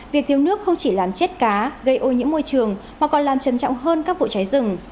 việc thiếu nước không chỉ làm chết cá gây ô nhiễm môi trường mà còn làm trầm trọng hơn các vụ cháy rừng